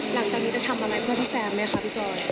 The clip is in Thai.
หลังจากนี้จะทำอะไรเพื่อพี่แซมไหมคะพี่จอย